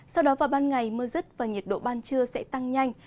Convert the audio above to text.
sau đó vào ban ngày mưa rứt và nhiệt độ ban trưa sẽ tăng nhanh